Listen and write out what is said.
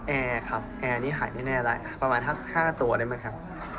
แอร์ครับแอร์นี้หายไม่แน่แล้วประมาณ๕ตัวได้มั้งครับ